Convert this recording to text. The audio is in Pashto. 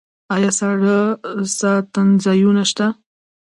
آیا ساړه ساتنځایونه شته؟